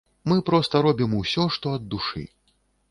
Мы проста робім усё, што ад душы.